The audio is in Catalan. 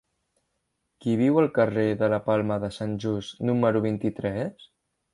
Qui viu al carrer de la Palma de Sant Just número vint-i-tres?